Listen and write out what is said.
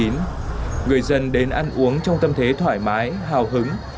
người dân đến ăn uống trong tâm thế thoải mái hào hứng